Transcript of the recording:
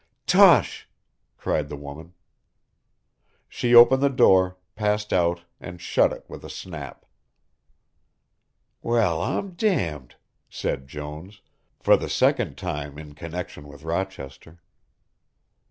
"Tosh!" cried the woman. She opened the door, passed out, and shut it with a snap. "Well, I'm d d," said Jones, for the second time in connection with Rochester.